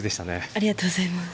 ありがとうございます。